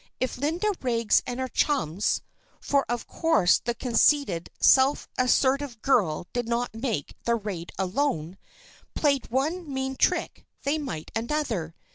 If Linda Riggs and her chums (for of course the conceited, self assertive girl did not make the raid alone), played one mean trick, they might another.